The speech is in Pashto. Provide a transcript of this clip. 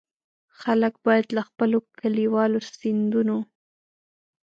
خلک باید له خپلو کلیوالو سیندونو.